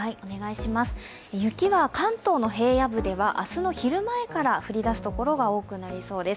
雪は関東の平野部では明日の昼前から降りだすところが多くなります。